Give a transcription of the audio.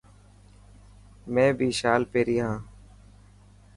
مين بي شال پيري هان.